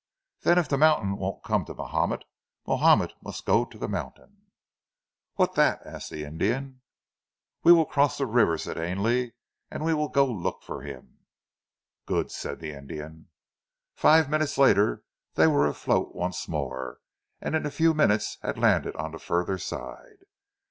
"Then if the mountain won't come to Mahomet, Mahomet must go to the mountain." "What that?" asked the Indian. "We will cross the river," said Ainley. "We will go look for him." "Good!" said the Indian. Five minutes later they were afloat once more, and in a few minutes had landed on the further side.